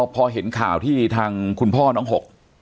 พอเห็นข่าวที่ทางคุณพ่อน้องหก